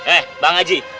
eh bang haji